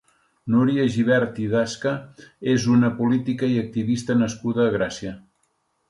Núria Gibert i Dasca és una política i activista nascuda a Gràcia.